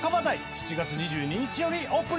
７月２２日よりオープン予定。